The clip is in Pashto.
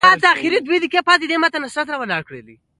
منډه د زړښت نښې ورو کوي